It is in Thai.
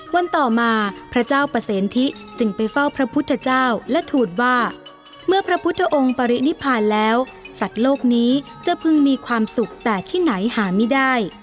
วันต่อมาพระเจ้าประเสนทิจึงไปเฝ้าพระพุทธเจ้าและทูลว่าเมื่อพระพุทธองค์ปรินิพานแล้วสัตว์โลกนี้จะพึงมีความสุขแต่ที่ไหนหาไม่ได้